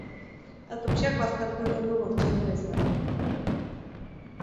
Autopsiak baztertu egin du bortxatua izana.